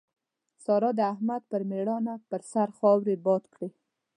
سارا د احمد پر ميړانه پر سر خاورې باد کړې.